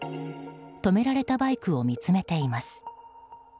止められたバイクを見つめています。